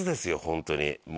本当に。